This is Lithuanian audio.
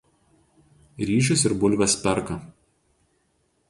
Ryžius ir bulves perka.